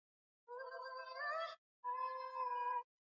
Dalili za ugonjwa wa kimeta wanyama wenye afya katika kundi huathirika